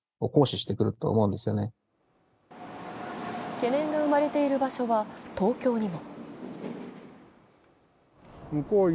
懸念が生まれている場所は東京にも。